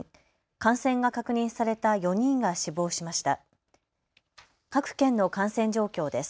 感染が確認された４人が死亡しました。